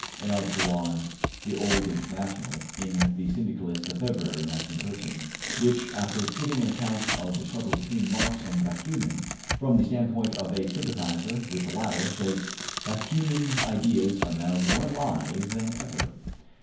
an article on ``The Old International'' in the Syndicalist of February, 1913, which, after giving an account of the struggle between Marx and Bakunin from the standpoint of a sympathizer with the latter, says: ``Bakounin's ideas are now more alive than ever.''